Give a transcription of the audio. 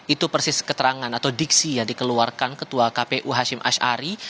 itu persis keterangan atau diksi yang dikeluarkan kpu hashim ash ari